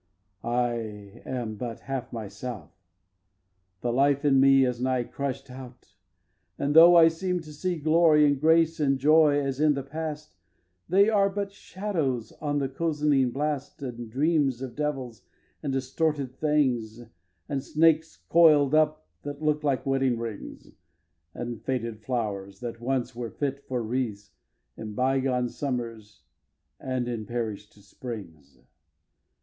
xvii. I am but half myself. The life in me Is nigh crush'd out; and, though I seem to see Glory, and grace, and joy, as in the past, They are but shadows on the cozening blast, And dreams of devils and distorted things, And snakes coiled up that look like wedding rings, And faded flowers that once were fit for wreaths In bygone summers and in perish'd springs.